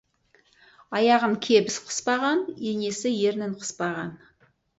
Аяғын кебіс қыспаған, енесі ернін қыспаған.